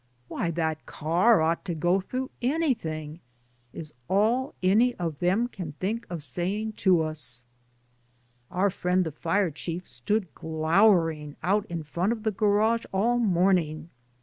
Why, that car ought to go through anything I'' is all any of them can think of saying to us. Our friend the fire chief stood glowering out in front of the garage all morning.